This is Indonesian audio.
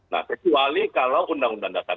nah kecuali kalau undang undang dasar